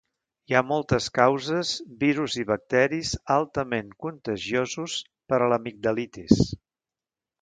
Hi ha moltes causes, virus i bacteris altament contagiosos, per a l'amigdalitis.